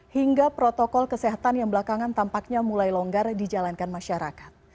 hingga protokol kesehatan yang belakangan tampaknya mulai longgar dijalankan masyarakat